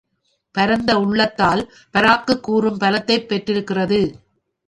பரந்த உள்ளத்தால் பராக்குக் கூறும் பலத்தைப் பெற்றிருக்கிறது.